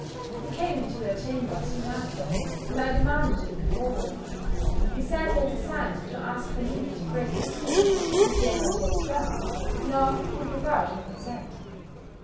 He came into her chamber soon after, and I demanded it before her. He said he had designed to ask her leave to break the seal, which he had not yet done; nor would without her consent.